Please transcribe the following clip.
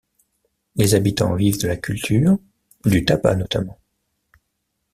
Les habitants vivent de la culture, du tabac notamment.